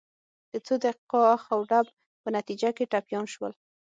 د څو دقیقو اخ و ډب په نتیجه کې ټپیان شول.